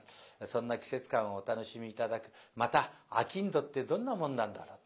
そんな季節感をお楽しみ頂くまた商人ってどんなもんなんだろう。